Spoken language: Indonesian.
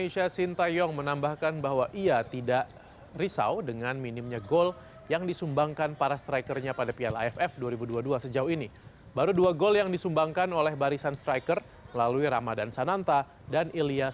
saya berpikir ini akan menjadi pertempuran yang lebih menakjubkan dari sebelumnya